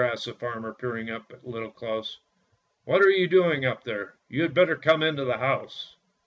" asked the farmer, peering up at Little Claus. "What are you doing up there? You had better come into the house."